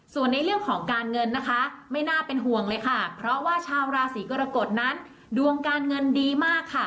ส่วนในเรื่องของการเงินนะคะไม่น่าเป็นห่วงเลยค่ะเพราะว่าชาวราศีกรกฎนั้นดวงการเงินดีมากค่ะ